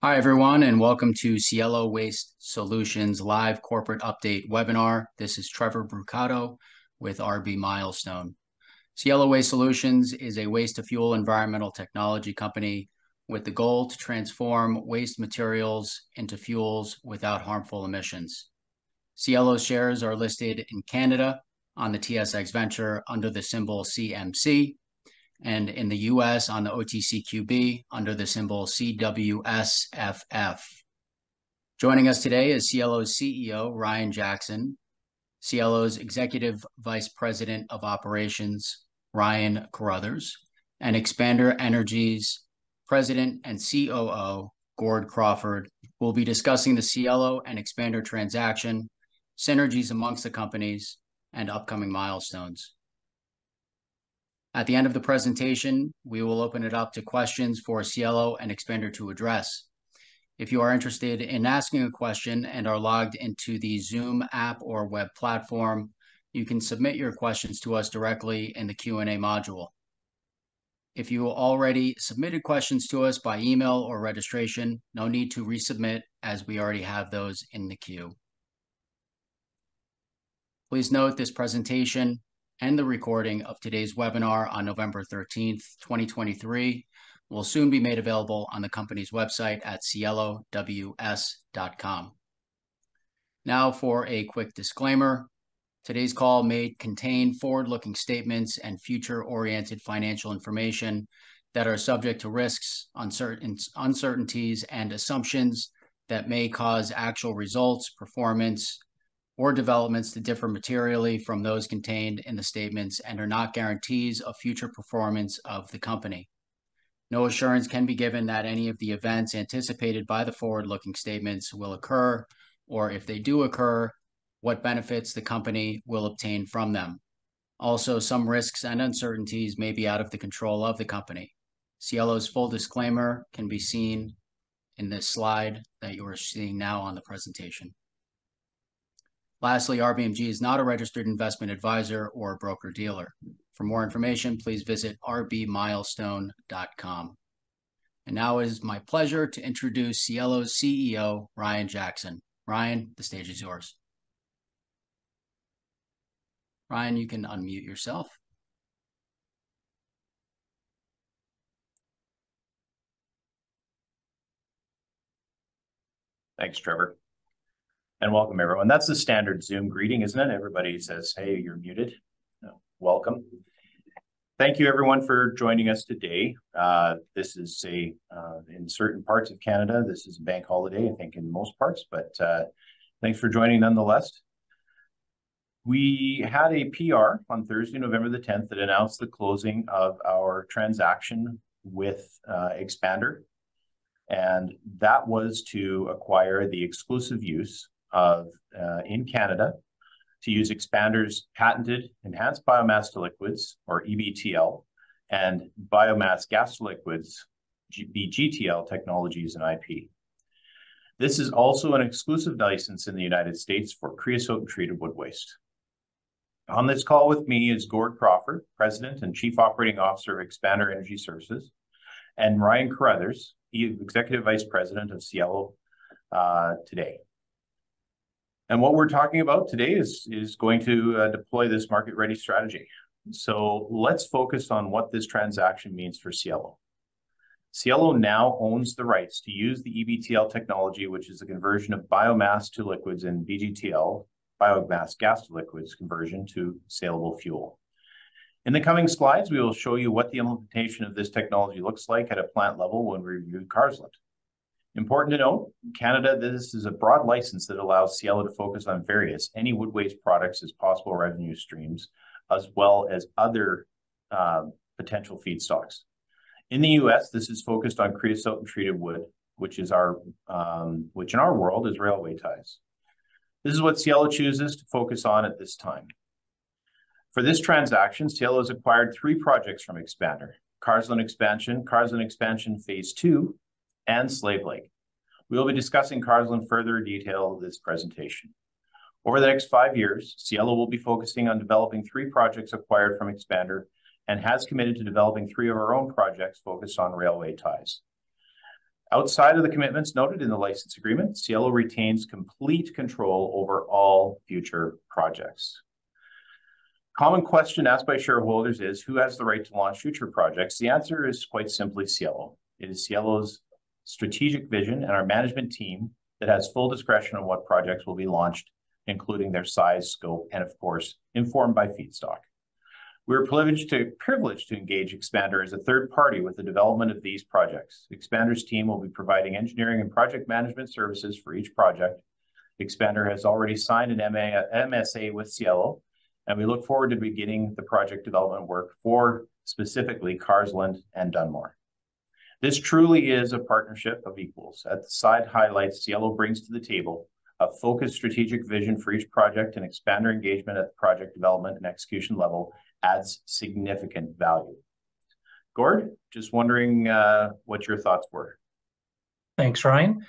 Hi, everyone, and welcome to Cielo Waste Solutions' live corporate update webinar. This is Trevor Brucato with RB Milestone. Cielo Waste Solutions is a waste-to-fuel environmental technology company with the goal to transform waste materials into fuels without harmful emissions. Cielo's shares are listed in Canada on the TSX Venture under the symbol CMC, and in the U.S. on the OTCQB under the symbol CWSFF. Joining us today is Cielo's CEO, Ryan Jackson, Cielo's Executive Vice President of Operations, Ryan Carruthers, and Expander Energy's President and COO, Gord Crawford. We'll be discussing the Cielo and Expander transaction, synergies amongst the companies, and upcoming milestones. At the end of the presentation, we will open it up to questions for Cielo and Expander to address. If you are interested in asking a question and are logged into the Zoom app or web platform, you can submit your questions to us directly in the Q&A module. If you already submitted questions to us by email or registration, no need to resubmit, as we already have those in the queue. Please note, this presentation and the recording of today's webinar on November 13th, 2023, will soon be made available on the company's website at cielows.com. Now, for a quick disclaimer, today's call may contain forward-looking statements and future-oriented financial information that are subject to risks, uncertainties, and assumptions that may cause actual results, performance, or developments to differ materially from those contained in the statements and are not guarantees of future performance of the company. No assurance can be given that any of the events anticipated by the forward-looking statements will occur, or if they do occur, what benefits the company will obtain from them. Also, some risks and uncertainties may be out of the control of the company. Cielo's full disclaimer can be seen in this slide that you are seeing now on the presentation. Lastly, RBMG is not a registered investment advisor or a broker-dealer. For more information, please visit rbmilestone.com. And now it is my pleasure to introduce Cielo's CEO, Ryan Jackson. Ryan, the stage is yours. Ryan, you can unmute yourself. Thanks, Trevor, and welcome, everyone. That's the standard Zoom greeting, isn't it? Everybody says, "Hey, you're muted." Welcome. Thank you, everyone, for joining us today. This is a... In certain parts of Canada, this is a bank holiday, I think in most parts, but thanks for joining nonetheless. We had a PR on Thursday, November the 10th, that announced the closing of our transaction with Expander, and that was to acquire the exclusive use of, in Canada, to use Expander's patented Enhanced Biomass to Liquids, or EBTL, and Biomass Gas to Liquids, BGTL, technologies and IP. This is also an exclusive license in the United States for creosote and treated wood waste. On this call with me is Gord Crawford, President and Chief Operating Officer of Expander Energy Inc., and Ryan Carruthers, the Executive Vice President of Cielo today. What we're talking about today is going to deploy this market-ready strategy. So let's focus on what this transaction means for Cielo. Cielo now owns the rights to use the EBTL technology, which is a conversion of biomass to liquids, and BGTL, Biomass Gas to Liquids, conversion to saleable fuel. In the coming slides, we will show you what the implementation of this technology looks like at a plant level when we review Carseland. Important to note, in Canada, this is a broad license that allows Cielo to focus on various, any wood waste products as possible revenue streams, as well as other potential feedstocks. In the U.S., this is focused on creosote and treated wood, which in our world is railway ties. This is what Cielo chooses to focus on at this time. For this transaction, Cielo has acquired three projects from Expander: Carseland Expansion, Carseland Expansion Phase 2, and Slave Lake. We will be discussing Carseland in further detail in this presentation. Over the next five years, Cielo will be focusing on developing three projects acquired from Expander and has committed to developing three of our own projects focused on railway ties. Outside of the commitments noted in the license agreement, Cielo retains complete control over all future projects. Common question asked by shareholders is: who has the right to launch future projects? The answer is, quite simply, Cielo. It is Cielo's strategic vision and our management team that has full discretion on what projects will be launched, including their size, scope, and of course, informed by feedstock. We are privileged to engage Expander as a third party with the development of these projects. Expander's team will be providing engineering and project management services for each project. Expander has already signed an MSA with Cielo, and we look forward to beginning the project development work for, specifically, Carseland and Dunmore. This truly is a partnership of equals. At the side highlights, Cielo brings to the table a focused strategic vision for each project, and Expander engagement at the project development and execution level adds significant value. Gord, just wondering, what your thoughts were? Thanks, Ryan.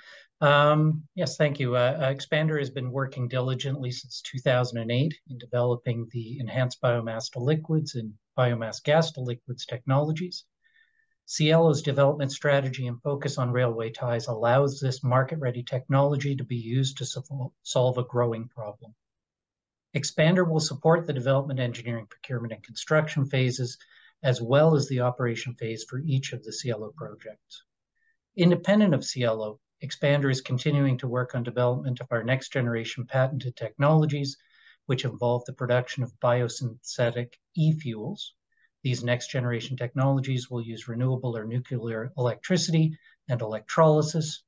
Yes, thank you. Expander has been working diligently since 2008 in developing the Enhanced Biomass to Liquids and Biomass Gas to Liquids technologies. Cielo's development strategy and focus on railway ties allows this market-ready technology to be used to solve a growing problem. Expander will support the development, engineering, procurement, and construction phases, as well as the operation phase for each of the Cielo projects. Independent of Cielo, Expander is continuing to work on development of our next-generation patented technologies, which involve the production of biosynthetic e-fuels. These next-generation technologies will use renewable or nuclear electricity and electrolysis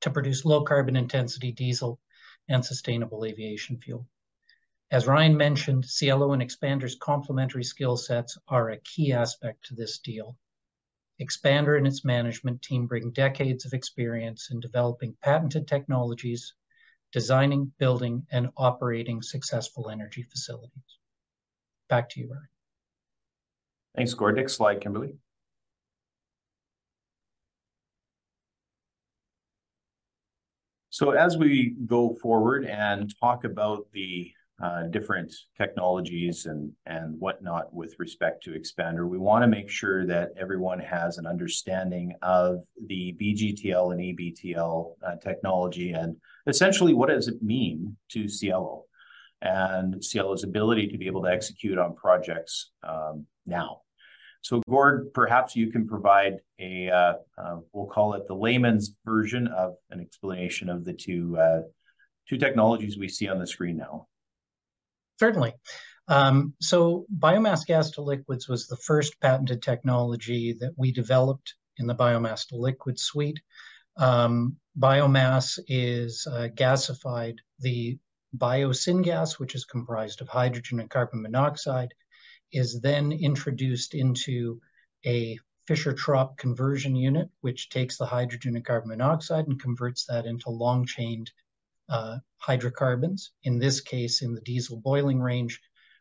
to produce low carbon intensity diesel and sustainable aviation fuel. As Ryan mentioned, Cielo and Expander's complementary skill sets are a key aspect to this deal. Expander and its management team bring decades of experience in developing patented technologies, designing, building, and operating successful energy facilities. Back to you, Ryan. Thanks, Gord. Next slide, Kimberly. So as we go forward and talk about the different technologies and whatnot with respect to Expander, we wanna make sure that everyone has an understanding of the BGTL and EBTL technology, and essentially what does it mean to Cielo, and Cielo's ability to be able to execute on projects now. So Gord, perhaps you can provide a we'll call it the layman's version of an explanation of the two technologies we see on the screen now. Certainly. So Biomass Gas to Liquids was the first patented technology that we developed in the biomass to liquids suite. Biomass is gasified. The bio-syngas, which is comprised of hydrogen and carbon monoxide, is then introduced into a Fischer-Tropsch conversion unit, which takes the hydrogen and carbon monoxide and converts that into long-chained hydrocarbons. In this case, in the diesel boiling range,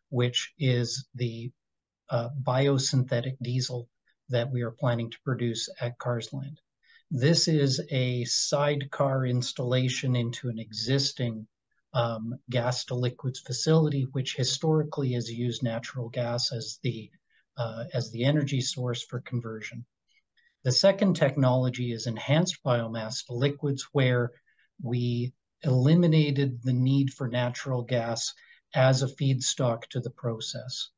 which is the biosynthetic diesel that we are planning to produce at Carseland. This is a sidecar installation into an existing gas to liquids facility, which historically has used natural gas as the energy source for conversion. The second technology is Enhanced Biomass to Liquids, where we eliminated the need for natural gas as a feedstock to the process.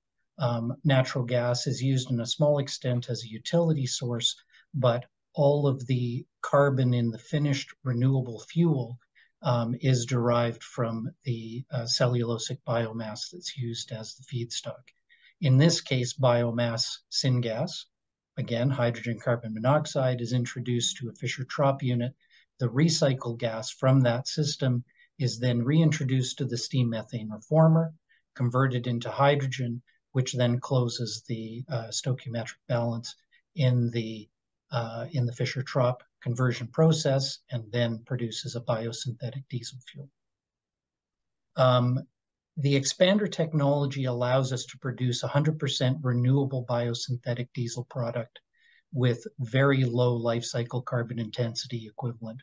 Natural gas is used in a small extent as a utility source, but all of the carbon in the finished renewable fuel is derived from the cellulosic biomass that's used as the feedstock. In this case, biomass syngas. Again, hydrogen carbon monoxide is introduced to a Fischer-Tropsch unit. The recycled gas from that system is then reintroduced to the steam methane reformer, converted into hydrogen, which then closes the stoichiometric balance in the Fischer-Tropsch conversion process, and then produces a biosynthetic diesel fuel. The Expander technology allows us to produce 100% renewable biosynthetic diesel product with very low lifecycle carbon intensity equivalent,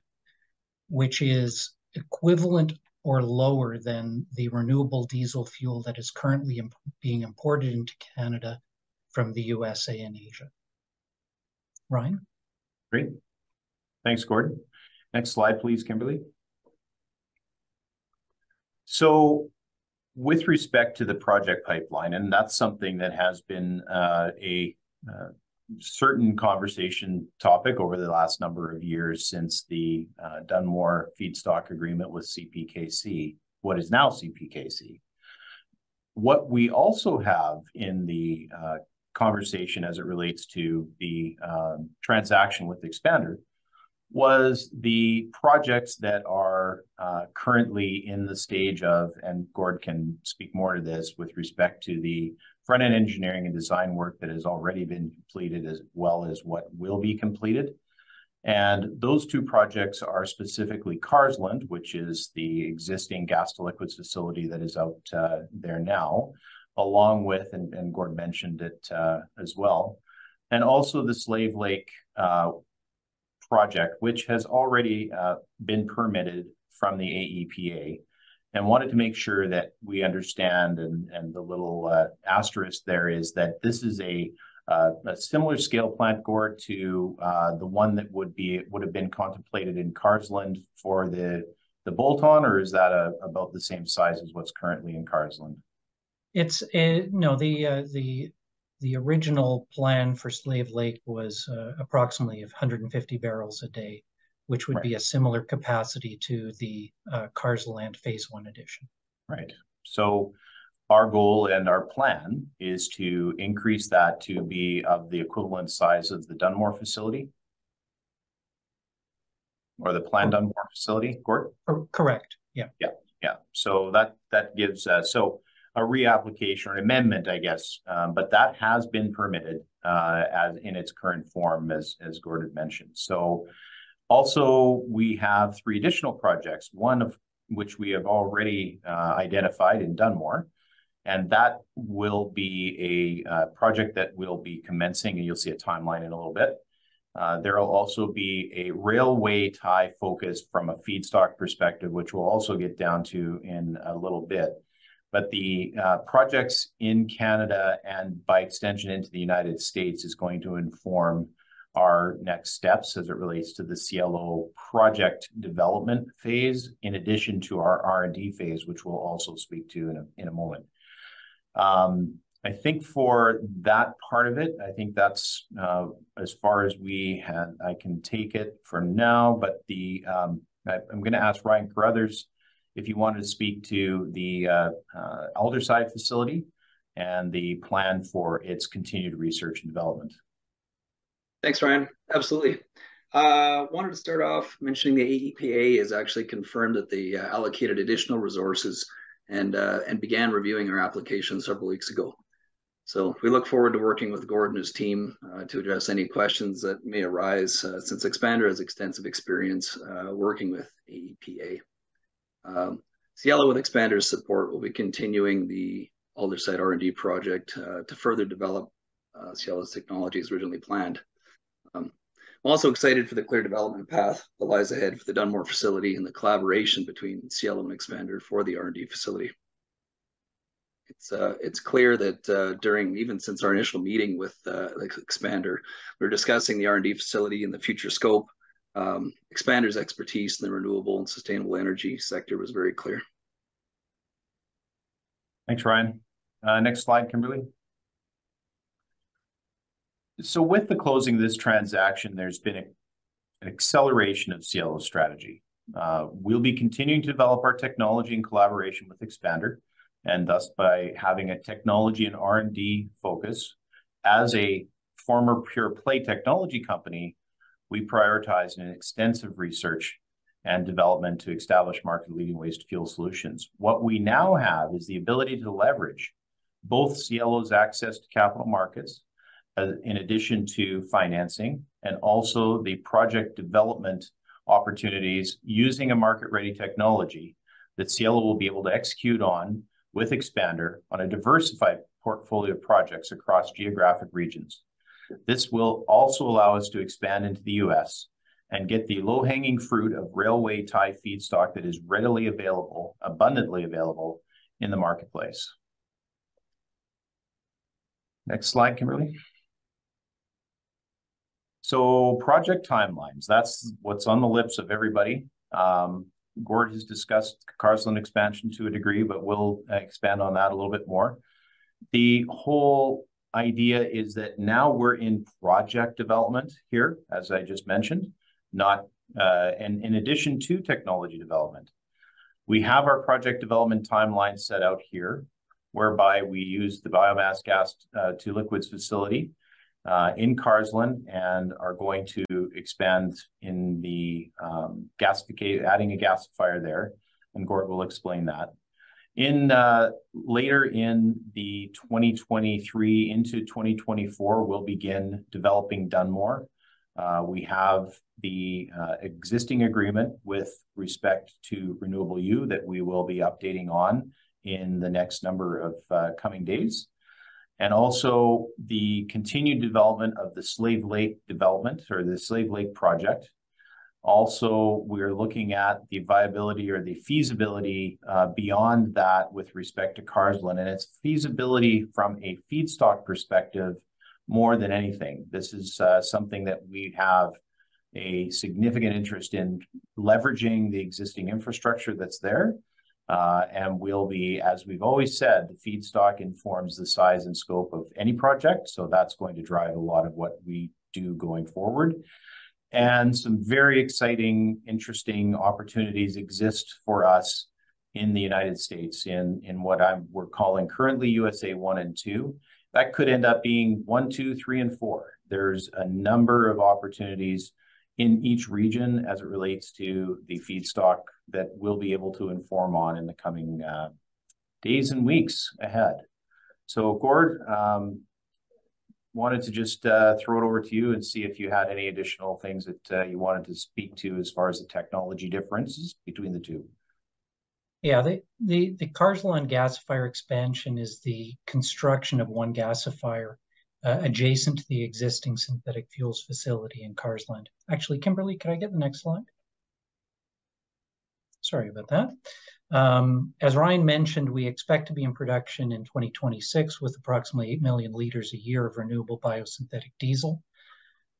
which is equivalent or lower than the renewable diesel fuel that is currently being imported into Canada from the USA and Asia. Ryan? Great. Thanks, Gordon. Next slide, please, Kimberly. So with respect to the project pipeline, and that's something that has been a certain conversation topic over the last number of years since the Dunmore feedstock agreement with CPKC... what is now CPKC. What we also have in the conversation as it relates to the transaction with Expander, was the projects that are currently in the stage of, and Gord can speak more to this, with respect to the front-end engineering and design work that has already been completed, as well as what will be completed. And those two projects are specifically Carseland, which is the existing gas to liquids facility that is out there now, along with, and Gord mentioned it as well, and also the Slave Lake Project, which has already been permitted from the AEPA. Wanted to make sure that we understand, and the little asterisk there is, that this is a similar scale plant, Gord, to the one that would have been contemplated in Carseland for the bolt-on, or is that about the same size as what's currently in Carseland? No, the original plan for Slave Lake was approximately 150 barrels a day- Right... which would be a similar capacity to the Carseland Phase 1 addition. Right. So our goal and our plan is to increase that to be of the equivalent size of the Dunmore facility, or the planned Dunmore facility, Gord? Correct, yeah. Yeah, yeah. So that gives so a reapplication or amendment, I guess. But that has been permitted, as in its current form, as Gord had mentioned. So also, we have three additional projects, one of which we have already identified in Dunmore, and that will be a project that we'll be commencing, and you'll see a timeline in a little bit. There will also be a railway tie focus from a feedstock perspective, which we'll also get down to in a little bit. But the projects in Canada, and by extension, into the United States, is going to inform our next steps as it relates to the Cielo Project development phase, in addition to our R&D phase, which we'll also speak to in a moment. I think for that part of it, I think that's as far as we have. I can take it for now. But I, I'm gonna ask Ryan Carruthers if he wanted to speak to the Aldersyde facility and the plan for its continued research and development. Thanks, Ryan. Absolutely. Wanted to start off mentioning the AEPA has actually confirmed that they allocated additional resources and began reviewing our application several weeks ago. So we look forward to working with Gord and his team to address any questions that may arise since Expander has extensive experience working with AEPA. Cielo, with Expander's support, will be continuing the Aldersyde R&D Project to further develop Cielo's technology as originally planned. I'm also excited for the clear development path that lies ahead for the Dunmore facility, and the collaboration between Cielo and Expander for the R&D facility. It's clear that during, even since our initial meeting with, like, Expander, we were discussing the R&D facility and the future scope. Expander's expertise in the renewable and sustainable energy sector was very clear. Thanks, Ryan. Next slide, Kimberly. So with the closing of this transaction, there's been an acceleration of Cielo's strategy. We'll be continuing to develop our technology in collaboration with Expander, and thus, by having a technology and R&D focus. As a former pure-play technology company, we prioritize an extensive research and development to establish market-leading waste fuel solutions. What we now have is the ability to leverage both Cielo's access to capital markets, in addition to financing, and also the project development opportunities, using a market-ready technology that Cielo will be able to execute on with Expander on a diversified portfolio of projects across geographic regions. This will also allow us to expand into the U.S., and get the low-hanging fruit of railway tie feedstock that is readily available, abundantly available in the marketplace. Next slide, Kimberly. So project timelines, that's what's on the lips of everybody. Gord has discussed Carseland Expansion to a degree, but we'll expand on that a little bit more. The whole idea is that now we're in project development here, as I just mentioned, and in addition to technology development. We have our project development timeline set out here, whereby we use the Biomass Gas to Liquids facility in Carseland, and are going to expand in the adding a gasifier there, and Gord will explain that. In later in 2023 into 2024, we'll begin developing Dunmore. We have the existing agreement with respect to Renewable U that we will be updating on in the next number of coming days, and also the continued development of the Slave Lake development, or the Slave Lake Project. Also, we're looking at the viability or the feasibility beyond that, with respect to Carseland, and its feasibility from a feedstock perspective more than anything. This is something that we have a significant interest in, leveraging the existing infrastructure that's there, and will be... As we've always said, the feedstock informs the size and scope of any project, so that's going to drive a lot of what we do going forward. And some very exciting, interesting opportunities exist for us in the United States, in what we're calling currently USA one and two. That could end up being one, two, three, and four. There's a number of opportunities in each region as it relates to the feedstock that we'll be able to inform on in the coming days and weeks ahead. So Gord wanted to just throw it over to you and see if you had any additional things that you wanted to speak to as far as the technology differences between the two. Yeah. The Carseland gasifier expansion is the construction of one gasifier adjacent to the existing synthetic fuels facility in Carseland. Actually, Kimberly, can I get the next slide? Sorry about that. As Ryan mentioned, we expect to be in production in 2026, with approximately 8 million liters a year of renewable biosynthetic diesel.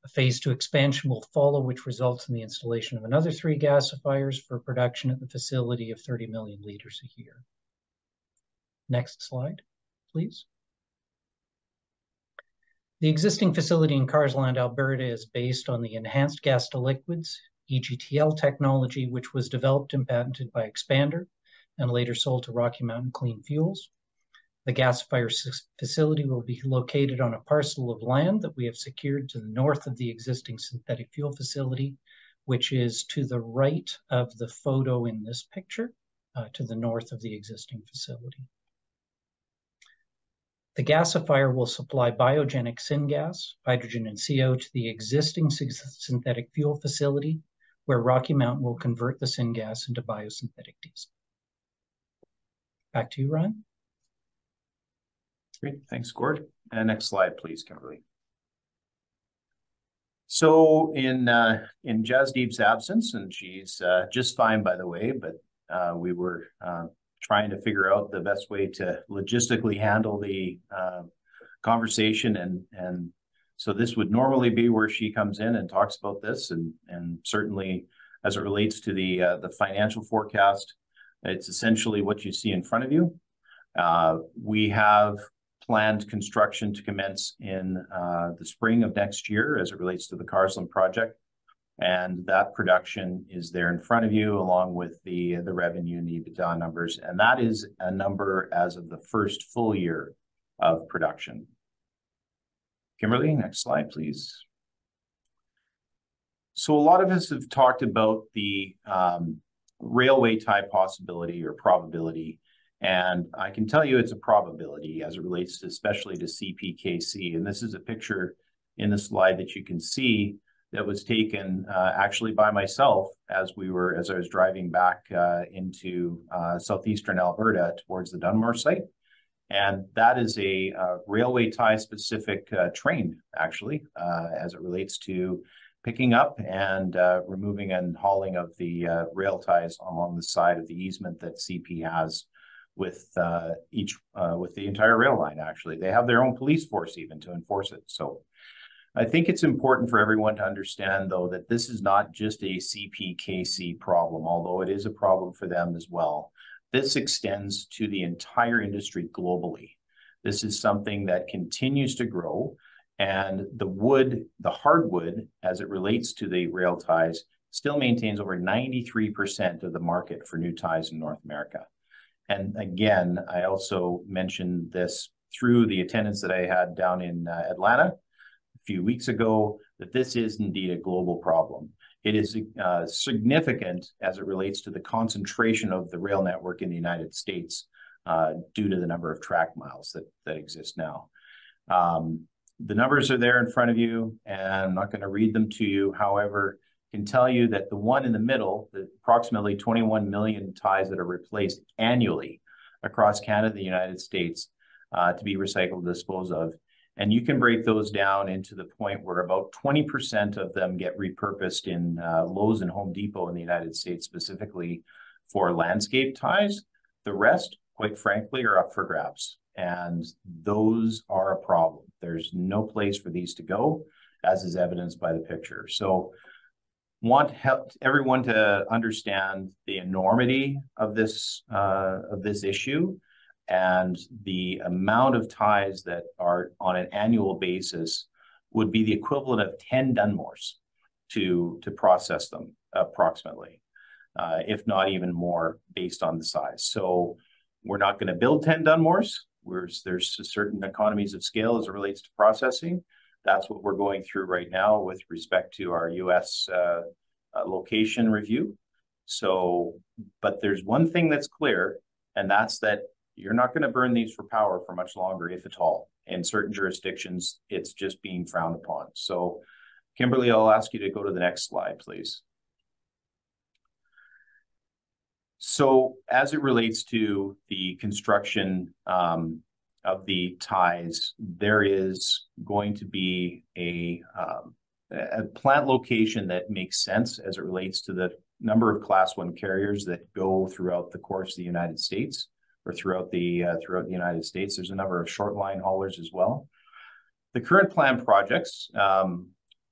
A Phase 2 expansion will follow, which results in the installation of another three gasifiers for production at the facility of 30 million liters a year. Next slide, please. The existing facility in Carseland, Alberta, is based on the Enhanced Gas to Liquids, EGTL, technology, which was developed and patented by Expander, and later sold to Rocky Mountain Clean Fuels. The gasifier facility will be located on a parcel of land that we have secured to the north of the existing synthetic fuel facility, which is to the right of the photo in this picture, to the north of the existing facility. The gasifier will supply biogenic syngas, hydrogen and CO, to the existing synthetic fuel facility, where Rocky Mountain will convert the syngas into biosynthetic diesel. Back to you, Ryan. Great. Thanks, Gord. Next slide, please, Kimberly. So in Jasdeep's absence, and she's just fine, by the way, but we were trying to figure out the best way to logistically handle the conversation. So this would normally be where she comes in and talks about this, and certainly as it relates to the financial forecast, it's essentially what you see in front of you. We have planned construction to commence in the spring of next year as it relates to the Carseland Project, and that production is there in front of you, along with the revenue and EBITDA numbers, and that is a number as of the first full year of production. Kimberly, next slide, please. So a lot of us have talked about the railway tie possibility or probability, and I can tell you it's a probability as it relates especially to CPKC. And this is a picture in the slide that you can see that was taken actually by myself as I was driving back into southeastern Alberta towards the Dunmore site. And that is a railway tie-specific train actually as it relates to picking up and removing and hauling of the rail ties along the side of the easement that CP has with each with the entire rail line. They have their own police force even to enforce it. So I think it's important for everyone to understand, though, that this is not just a CPKC problem, although it is a problem for them as well. This extends to the entire industry globally. This is something that continues to grow, and the wood, the hardwood, as it relates to the rail ties, still maintains over 93% of the market for new ties in North America. Again, I also mentioned this through the attendance that I had down in Atlanta a few weeks ago, that this is indeed a global problem. It is significant as it relates to the concentration of the rail network in the United States due to the number of track miles that exist now. The numbers are there in front of you, and I'm not gonna read them to you. However, I can tell you that the one in the middle, the approximately 21 million ties that are replaced annually across Canada and the United States to be recycled or disposed of. You can break those down into the point where about 20% of them get repurposed in Lowe's and Home Depot in the United States, specifically for landscape ties. The rest, quite frankly, are up for grabs, and those are a problem. There's no place for these to go, as is evidenced by the picture. So, I want to help everyone to understand the enormity of this issue and the amount of ties that are on an annual basis would be the equivalent of 10 Dunmores to process them, approximately, if not even more, based on the size. So we're not gonna build 10 Dunmores. There's certain economies of scale as it relates to processing. That's what we're going through right now with respect to our U.S. location review. So... But there's one thing that's clear, and that's that you're not gonna burn these for power for much longer, if at all. In certain jurisdictions, it's just being frowned upon. So Kimberly, I'll ask you to go to the next slide, please. So as it relates to the construction of the ties, there is going to be a plant location that makes sense as it relates to the number of Class I carriers that go throughout the course of the United States or throughout the United States. There's a number of short line haulers as well. The current planned projects,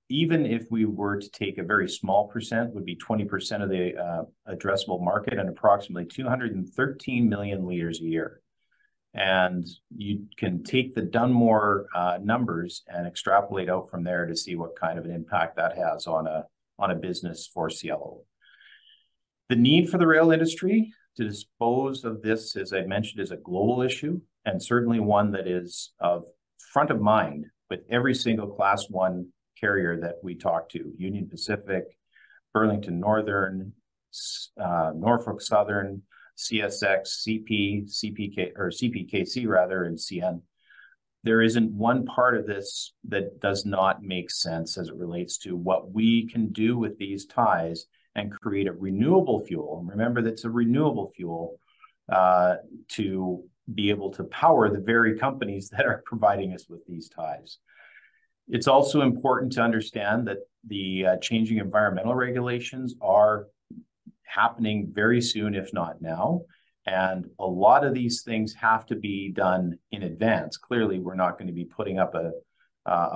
even if we were to take a very small percent, would be 20% of the addressable market and approximately 213 million liters a year. You can take the Dunmore numbers and extrapolate out from there to see what kind of an impact that has on a business for Cielo. The need for the rail industry to dispose of this, as I mentioned, is a global issue, and certainly one that is of front of mind with every single Class I carrier that we talk to. Union Pacific, Burlington Northern, Norfolk Southern, CSX, CP, CPK, or CPKC rather, and CN. There isn't one part of this that does not make sense as it relates to what we can do with these ties and create a renewable fuel, and remember, that's a renewable fuel to be able to power the very companies that are providing us with these ties. It's also important to understand that the changing environmental regulations are happening very soon, if not now, and a lot of these things have to be done in advance. Clearly, we're not gonna be putting up a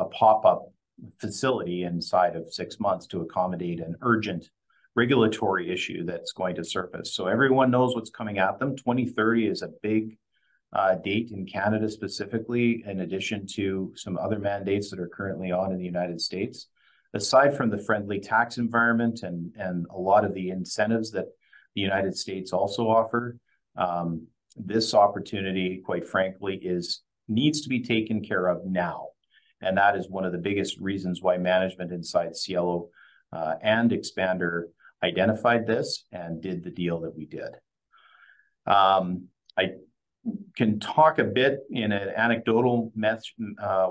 pop-up facility inside of six months to accommodate an urgent regulatory issue that's going to surface. So everyone knows what's coming at them. 2030 is a big date in Canada, specifically, in addition to some other mandates that are currently on in the United States. Aside from the friendly tax environment and a lot of the incentives that the United States also offer, this opportunity, quite frankly, needs to be taken care of now, and that is one of the biggest reasons why management inside Cielo and Expander identified this and did the deal that we did. I can talk a bit in an anecdotal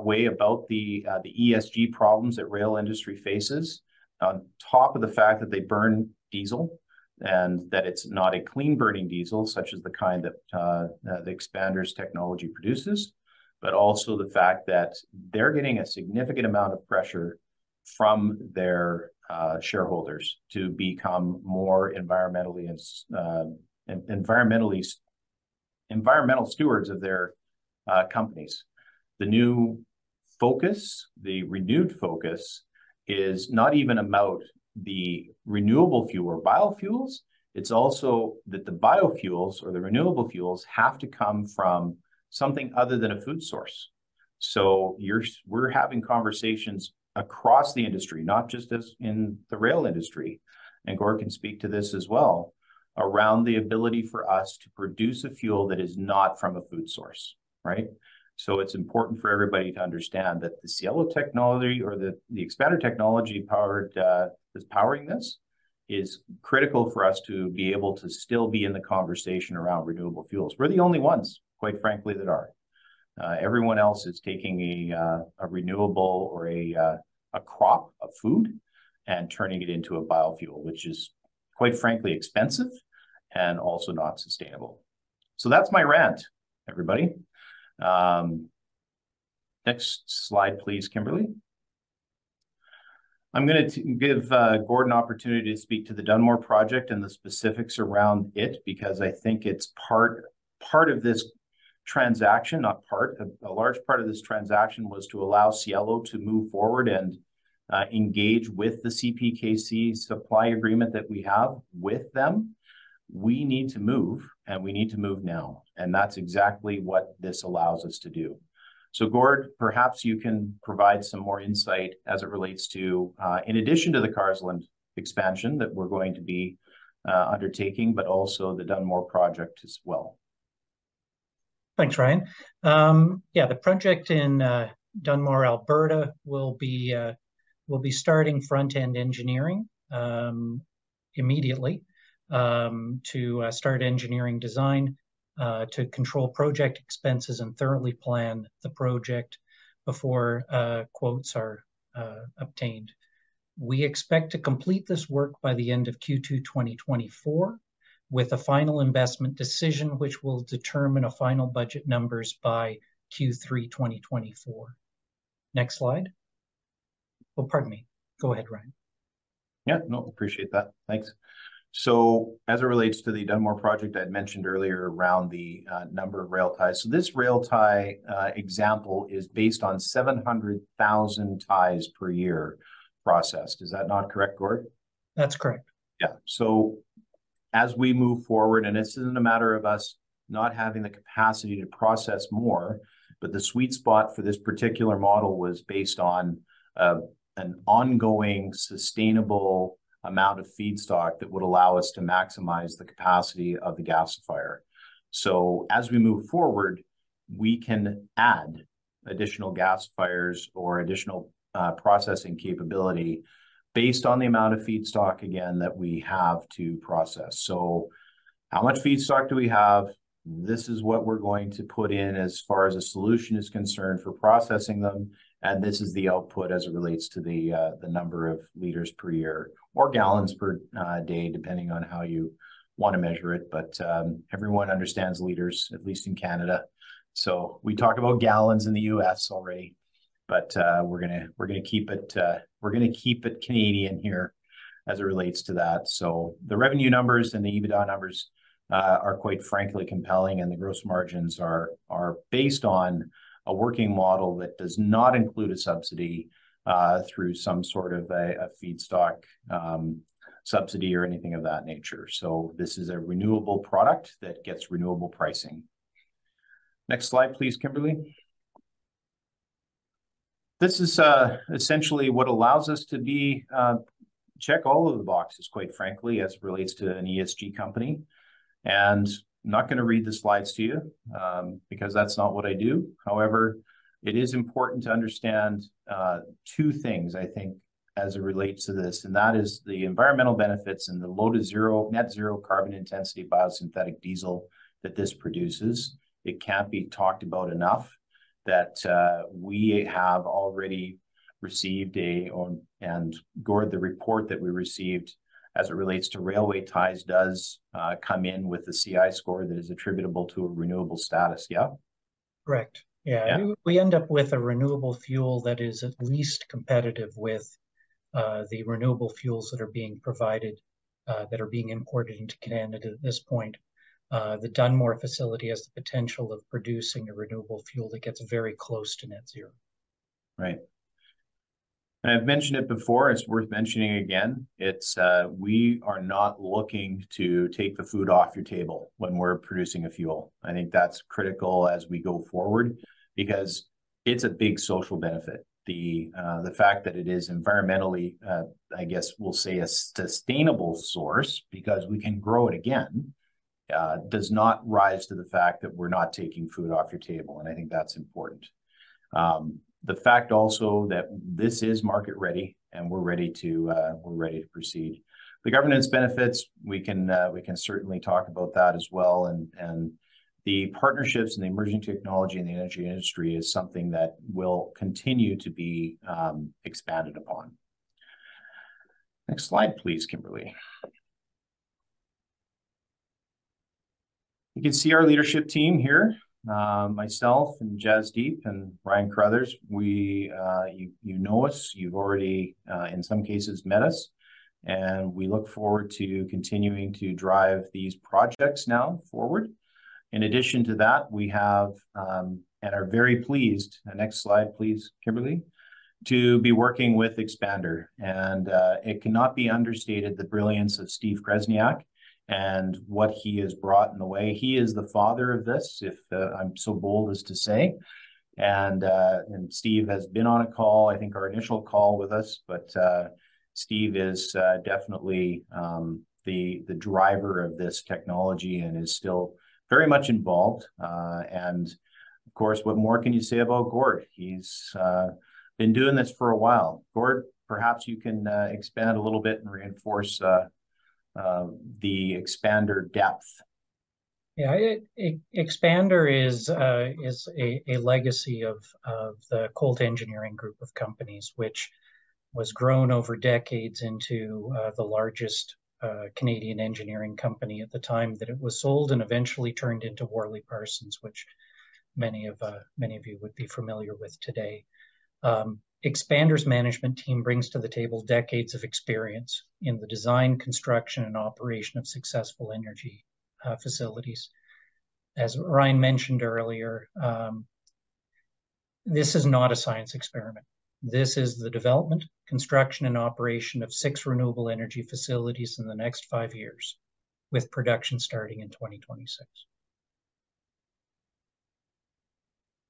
way about the ESG problems that rail industry faces. On top of the fact that they burn diesel and that it's not a clean-burning diesel, such as the kind that the Expander's technology produces, but also the fact that they're getting a significant amount of pressure from their shareholders to become more environmentally and environmental stewards of their companies. The new focus, the renewed focus, is not even about the renewable fuel or biofuels, it's also that the biofuels or the renewable fuels have to come from something other than a food source. So we're having conversations across the industry, not just as in the rail industry, and Gord can speak to this as well, around the ability for us to produce a fuel that is not from a food source, right? So it's important for everybody to understand that the Cielo technology, or the, the Expander technology powered, that's powering this, is critical for us to be able to still be in the conversation around renewable fuels. We're the only ones, quite frankly, that are. Everyone else is taking a renewable or a crop of food and turning it into a biofuel, which is, quite frankly, expensive and also not sustainable. So that's my rant, everybody. Next slide, please, Kimberly. I'm gonna give Gord an opportunity to speak to the Dunmore Project and the specifics around it, because I think it's part, part of this transaction. Not part, a large part of this transaction was to allow Cielo to move forward and engage with the CPKC supply agreement that we have with them. We need to move, and we need to move now, and that's exactly what this allows us to do. So Gord, perhaps you can provide some more insight as it relates to, in addition to the Carseland Expansion that we're going to be undertaking, but also the Dunmore Project as well. Thanks, Ryan. Yeah, the project in Dunmore, Alberta, will be starting front-end engineering immediately to start engineering design to control project expenses and thoroughly plan the project before quotes are obtained. We expect to complete this work by the end of Q2 2024, with a final investment decision, which we'll determine a final budget numbers by Q3 2024. Next slide. Well, pardon me. Go ahead, Ryan. Yeah, no, appreciate that. Thanks. So as it relates to the Dunmore Project, I'd mentioned earlier around the number of rail ties. So this rail tie example is based on 700,000 ties per year processed. Is that not correct, Gord? That's correct. Yeah, so as we move forward, and this isn't a matter of us not having the capacity to process more, but the sweet spot for this particular model was based on an ongoing, sustainable amount of feedstock that would allow us to maximize the capacity of the gasifier. So as we move forward, we can add additional gasifiers or additional processing capability based on the amount of feedstock, again, that we have to process. So how much feedstock do we have? This is what we're going to put in as far as a solution is concerned for processing them, and this is the output as it relates to the number of liters per year, or gallons per day, depending on how you wanna measure it. But everyone understands liters, at least in Canada. So we talk about gallons in the U.S. already, but we're gonna keep it Canadian here as it relates to that. So the revenue numbers and the EBITDA numbers are, quite frankly, compelling, and the gross margins are based on a working model that does not include a subsidy through some sort of a feedstock subsidy or anything of that nature. So this is a renewable product that gets renewable pricing. Next slide, please, Kimberly. This is essentially what allows us to be check all of the boxes, quite frankly, as it relates to an ESG company. And I'm not gonna read the slides to you because that's not what I do. However, it is important to understand, two things, I think, as it relates to this, and that is the environmental benefits and the low to zero, net zero carbon intensity biosynthetic diesel that this produces. It can't be talked about enough that, we have already received a... And Gord, the report that we received as it relates to railway ties does, come in with a CI score that is attributable to a renewable status, yeah? Correct. Yeah. Yeah, we, we end up with a renewable fuel that is at least competitive with, the renewable fuels that are being provided, that are being imported into Canada at this point. The Dunmore facility has the potential of producing a renewable fuel that gets very close to net zero. Right. And I've mentioned it before, it's worth mentioning again, it's, we are not looking to take the food off your table when we're producing a fuel. I think that's critical as we go forward, because it's a big social benefit. The, the fact that it is environmentally, I guess we'll say a sustainable source, because we can grow it again, does not rise to the fact that we're not taking food off your table, and I think that's important. The fact also that this is market-ready, and we're ready to, we're ready to proceed. The governance benefits, we can, we can certainly talk about that as well, and, and the partnerships and the emerging technology in the energy industry is something that will continue to be, expanded upon. Next slide, please, Kimberly. You can see our leadership team here, myself, and Jasdeep, and Ryan Carruthers. We, you know us, you've already, in some cases, met us, and we look forward to continuing to drive these projects now forward. In addition to that, we have, and are very pleased. Next slide, please, Kimberly, to be working with Expander. And, it cannot be understated the brilliance of Steve Kresnyak, and what he has brought in the way. He is the father of this, if I'm so bold as to say. And, Steve has been on a call, I think our initial call with us, but, Steve is, definitely, the driver of this technology, and is still very much involved. And of course, what more can you say about Gord? He's, been doing this for a while. Gord, perhaps you can expand a little bit and reinforce the Expander depth. Yeah, Expander is a legacy of the Colt Engineering group of companies, which was grown over decades into the largest Canadian engineering company at the time that it was sold, and eventually turned into WorleyParsons, which many of you would be familiar with today. Expander's management team brings to the table decades of experience in the design, construction, and operation of successful energy facilities. As Ryan mentioned earlier, this is not a science experiment. This is the development, construction, and operation of six renewable energy facilities in the next five years, with production starting in 2026.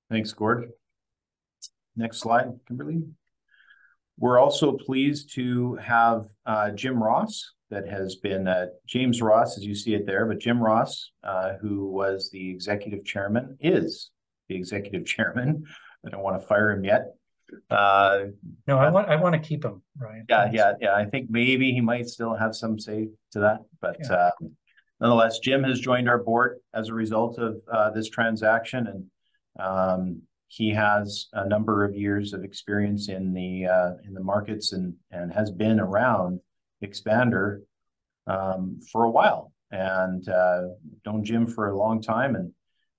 Thanks, Gord. Next slide, Kimberly. We're also pleased to have, Jim Ross, that has been, James Ross, as you see it there, but Jim Ross, who was the Executive Chairman, is the Executive Chairman. I don't wanna fire him yet. No, I want, I wanna keep him, Ryan. Yeah, yeah, yeah, I think maybe he might still have some say to that. Yeah. But nonetheless, Jim has joined our board as a result of this transaction and he has a number of years of experience in the markets and has been around Expander for a while. And known Jim for a long time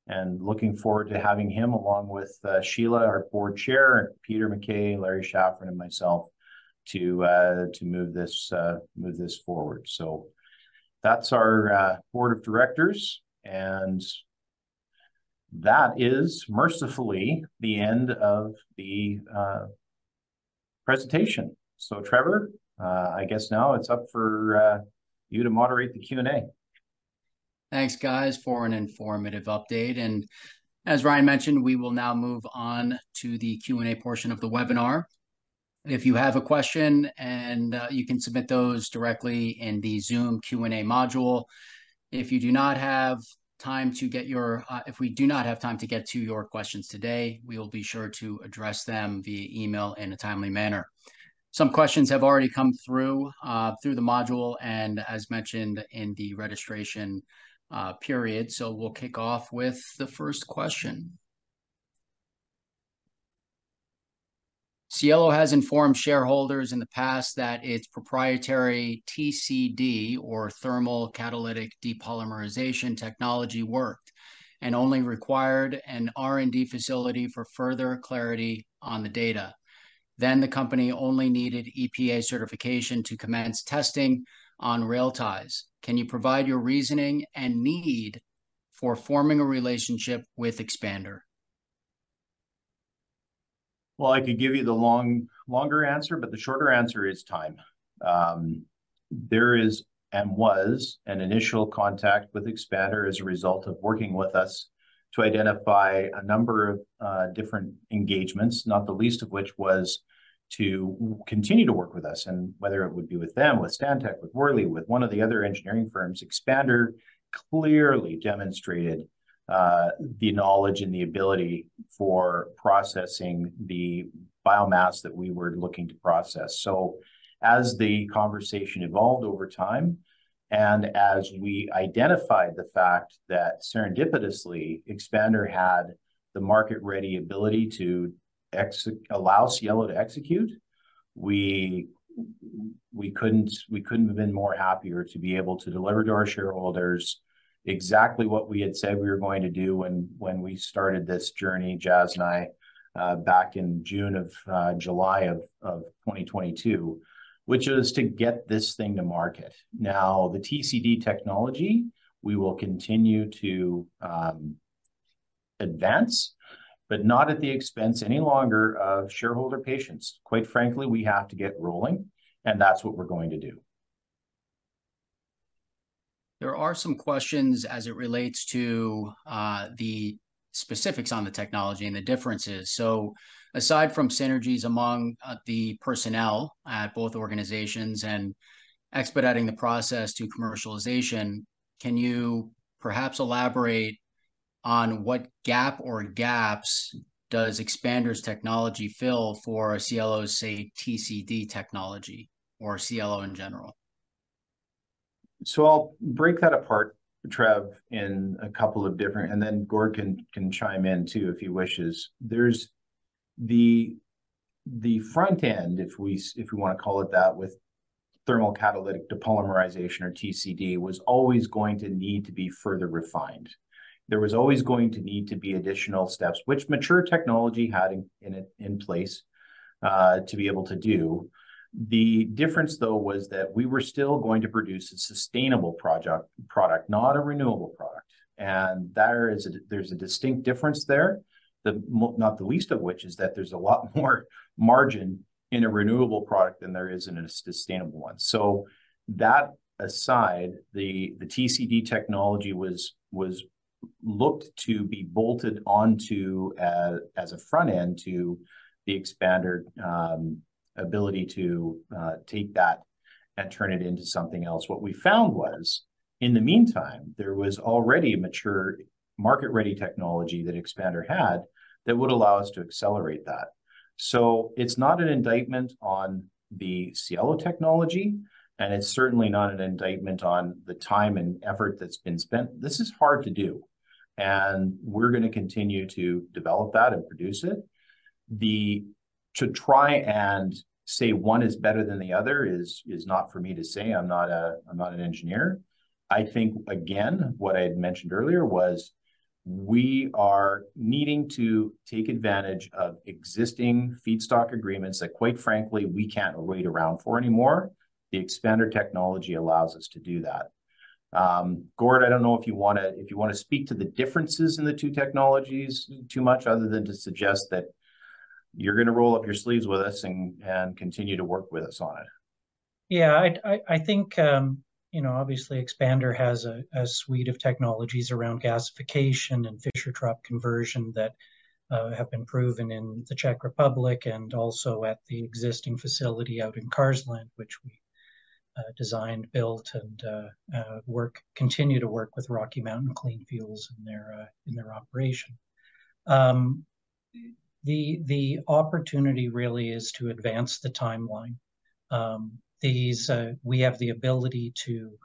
and looking forward to having him, along with Sheila, our Board Chair, and Peter MacKay, Larry Schafran and myself, to move this forward. So that's our board of directors, and that is mercifully the end of the presentation. So Trevor, I guess now it's up for you to moderate the Q&A. Thanks, guys, for an informative update. As Ryan mentioned, we will now move on to the Q&A portion of the webinar. If you have a question, and, you can submit those directly in the Zoom Q&A module. If you do not have time to get your... if we do not have time to get to your questions today, we will be sure to address them via email in a timely manner. Some questions have already come through, through the module, and as mentioned in the registration, period. We'll kick off with the first question. "Cielo has informed shareholders in the past that its proprietary TCD, or Thermal Catalytic Depolymerization technology, worked, and only required an R&D facility for further clarity on the data. Then the company only needed AEPA certification to commence testing on rail ties. Can you provide your reasoning and need for forming a relationship with Expander? Well, I could give you the longer answer, but the shorter answer is time. There is, and was, an initial contact with Expander as a result of working with us to identify a number of different engagements, not the least of which was to continue to work with us. And whether it would be with them, with Stantec, with Worley, with one of the other engineering firms, Expander clearly demonstrated the knowledge and the ability for processing the biomass that we were looking to process. As the conversation evolved over time, and as we identified the fact that, serendipitously, Expander had the market-ready ability to execute, allow Cielo to execute, we couldn't have been more happier to be able to deliver to our shareholders exactly what we had said we were going to do when we started this journey, Jas and I, back in June of July of 2022, which is to get this thing to market. Now, the TCD technology, we will continue to advance, but not at the expense any longer of shareholder patience. Quite frankly, we have to get rolling, and that's what we're going to do. There are some questions as it relates to the specifics on the technology and the differences. So aside from synergies among the personnel at both organizations, and expediting the process to commercialization, can you perhaps elaborate on what gap or gaps does Expander's technology fill for Cielo's, say, TCD technology, or Cielo in general? So I'll break that apart, Trev, in a couple of different... And then Gord can chime in, too, if he wishes. The front end, if we wanna call it that, with Thermal Catalytic Depolymerization, or TCD, was always going to need to be further refined. There was always going to need to be additional steps, which mature technology had in place to be able to do. The difference, though, was that we were still going to produce a sustainable product, not a renewable product, and there's a distinct difference there, not the least of which is that there's a lot more margin in a renewable product than there is in a sustainable one. So that aside, the TCD technology was looked to be bolted onto as a front end to the Expander ability to take that and turn it into something else. What we found was, in the meantime, there was already a mature market-ready technology that Expander had that would allow us to accelerate that. So it's not an indictment on the Cielo technology, and it's certainly not an indictment on the time and effort that's been spent. This is hard to do, and we're gonna continue to develop that and produce it. To try and say one is better than the other is not for me to say. I'm not a, I'm not an engineer. I think, again, what I had mentioned earlier was we are needing to take advantage of existing feedstock agreements that, quite frankly, we can't wait around for anymore. The Expander technology allows us to do that. Gord, I don't know if you wanna... If you wanna speak to the differences in the two technologies too much, other than to suggest that you're gonna roll up your sleeves with us and, and continue to work with us on it. Yeah. I think, you know, obviously Expander has a suite of technologies around gasification and Fischer-Tropsch conversion that have been proven in the Czech Republic, and also at the existing facility out in Carseland, which we designed, built, and continue to work with Rocky Mountain Clean Fuels in their operation. The opportunity really is to advance the timeline. These... We have the ability to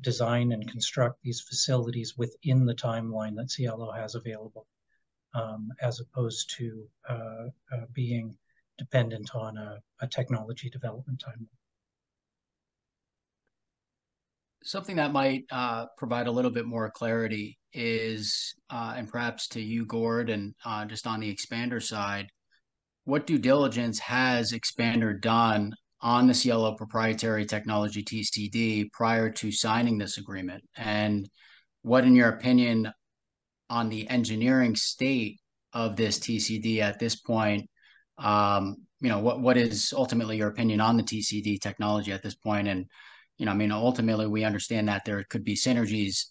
design and construct these facilities within the timeline that Cielo has available, as opposed to being dependent on a technology development timeline. Something that might provide a little bit more clarity is, and perhaps to you, Gord, and just on the Expander side, what due diligence has Expander done on the Cielo proprietary technology, TCD, prior to signing this agreement? And what, in your opinion on the engineering state of this TCD at this point, you know, what, what is ultimately your opinion on the TCD technology at this point? And, you know, I mean, ultimately, we understand that there could be synergies,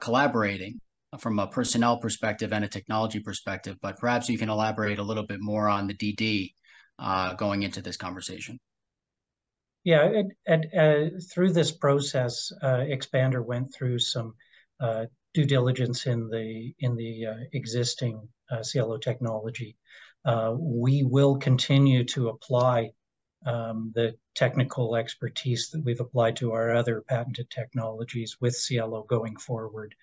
collaborating from a personnel perspective and a technology perspective, but perhaps you can elaborate a little bit more on the DD, going into this conversation. Yeah, and through this process, Expander went through some due diligence in the existing Cielo technology. We will continue to apply the technical expertise that we've applied to our other patented technologies with Cielo going forward,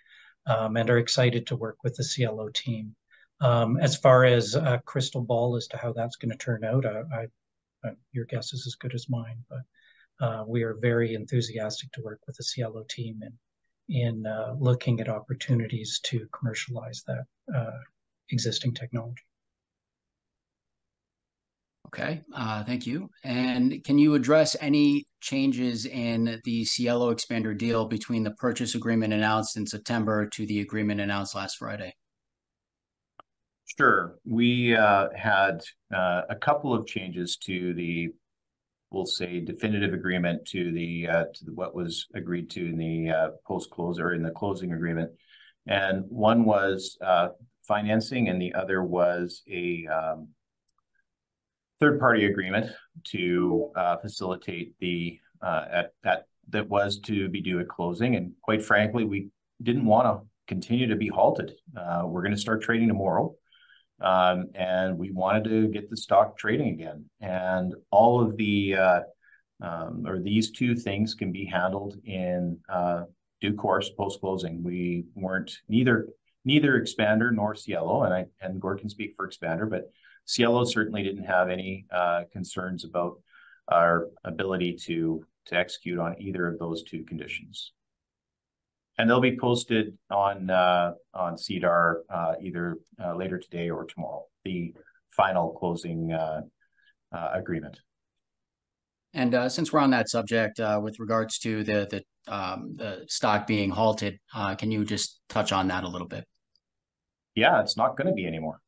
and are excited to work with the Cielo team. As far as a crystal ball as to how that's gonna turn out, Your guess is as good as mine, but we are very enthusiastic to work with the Cielo team in looking at opportunities to commercialize that existing technology. Okay, thank you. Can you address any changes in the Cielo-Expander deal between the purchase agreement announced in September to the agreement announced last Friday? Sure. We had a couple of changes to the, we'll say, definitive agreement to what was agreed to in the post-close or in the closing agreement. And one was financing, and the other was a third-party agreement to facilitate the at that that was to be due at closing, and quite frankly, we didn't wanna continue to be halted. We're gonna start trading tomorrow, and we wanted to get the stock trading again, and all of the or these two things can be handled in due course, post-closing. We weren't, neither Expander nor Cielo, and I, and Gord can speak for Expander, but Cielo certainly didn't have any concerns about our ability to execute on either of those two conditions. They'll be posted on SEDAR either later today or tomorrow, the final closing agreement. Since we're on that subject, with regards to the stock being halted, can you just touch on that a little bit? Yeah. It's not gonna be anymore.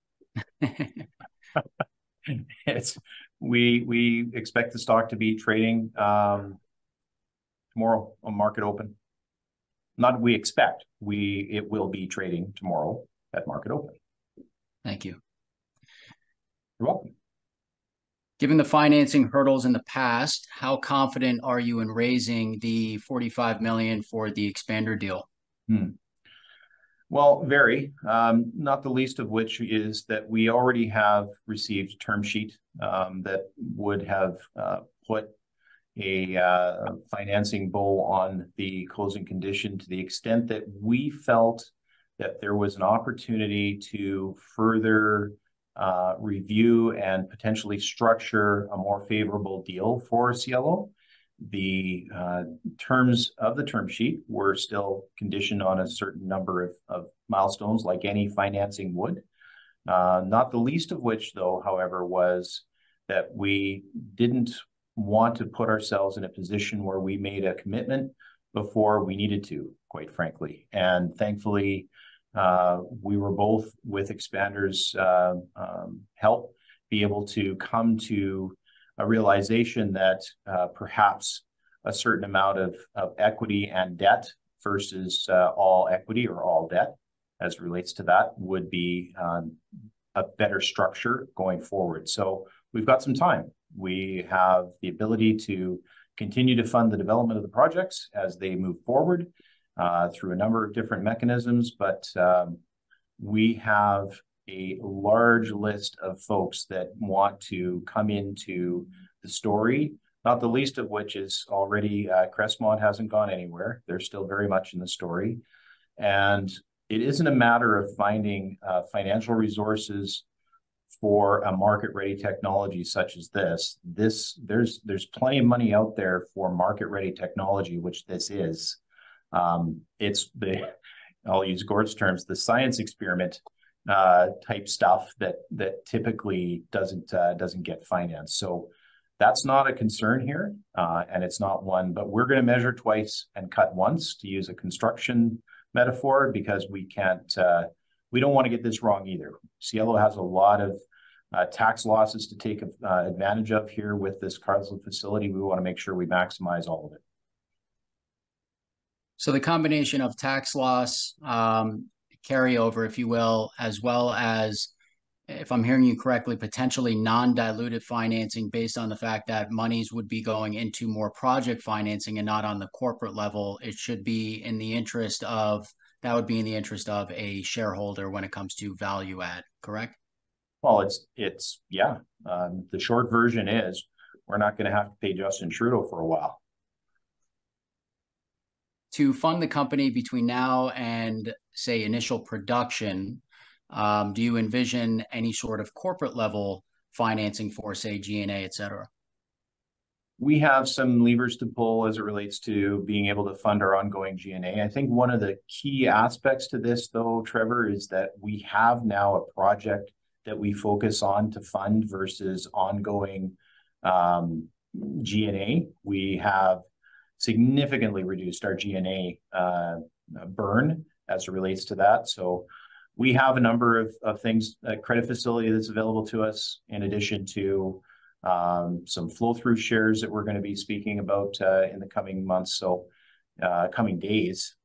It's... We, we expect the stock to be trading tomorrow on market open. Not we expect. We- it will be trading tomorrow at market open. Thank you. You're welcome. Given the financing hurdles in the past, how confident are you in raising 45 million for the Expander deal? Well, very, not the least of which is that we already have received a term sheet that would have put a financing bow on the closing condition to the extent that we felt that there was an opportunity to further review and potentially structure a more favorable deal for Cielo. The terms of the term sheet were still conditioned on a certain number of milestones, like any financing would. Not the least of which, though, however, was that we didn't want to put ourselves in a position where we made a commitment before we needed to, quite frankly. And thankfully, we were both, with Expander's help, be able to come to a realization that, perhaps a certain amount of equity and debt versus, all equity or all debt as relates to that, would be a better structure going forward. So we've got some time. We have the ability to continue to fund the development of the projects as they move forward, through a number of different mechanisms, but, we have a large list of folks that want to come into the story, not the least of which is already, Crestmont hasn't gone anywhere. They're still very much in the story. And it isn't a matter of finding, financial resources for a market-ready technology such as this. This- there's plenty of money out there for market-ready technology, which this is. It's the, I'll use Gord's terms, the science experiment type stuff that typically doesn't get financed. So that's not a concern here, and it's not one, but we're gonna measure twice and cut once, to use a construction metaphor, because we can't. We don't wanna get this wrong either. Cielo has a lot of tax losses to take advantage of here with this Carseland facility. We wanna make sure we maximize all of it. So the combination of tax loss, carry over, if you will, as well as, if I'm hearing you correctly, potentially non-diluted financing based on the fact that monies would be going into more project financing and not on the corporate level, it should be in the interest of... That would be in the interest of a shareholder when it comes to value add, correct? Well, it's yeah. The short version is we're not gonna have to pay Justin Trudeau for a while. To fund the company between now and, say, initial production, do you envision any sort of corporate-level financing for, say, G&A, et cetera? We have some levers to pull as it relates to being able to fund our ongoing G&A. I think one of the key aspects to this, though, Trevor, is that we have now a project that we focus on to fund versus ongoing G&A. We have significantly reduced our G&A burn as it relates to that. So we have a number of things, a credit facility that's available to us, in addition to some flow-through shares that we're gonna be speaking about in the coming months, so coming days.